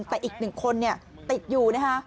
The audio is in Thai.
แต่อีกหนึ่งคนเนี่ยติดอยู่นะฮะ